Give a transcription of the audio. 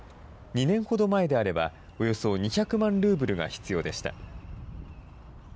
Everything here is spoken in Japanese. ２年ほど前であればおよそ２００万ルーブルが必要でした。